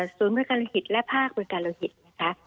ศูนย์บริการโลหิตและภาคบริการโลหิตนะคะ